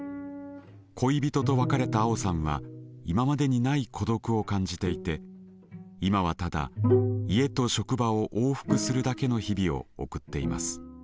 恋人と別れたあおさんは今までにない孤独を感じていて今はただ家と職場を往復するだけの日々を送っています。